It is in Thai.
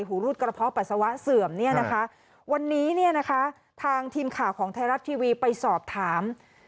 หูรูดกระเพาะปัสสาวะเสื่อมวันนี้ทางทีมข่าวของไทยรัฐทีวีไปสอบถาม